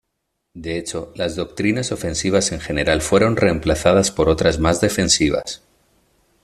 De hecho, las doctrinas ofensivas en general fueron reemplazadas por otras más defensivas.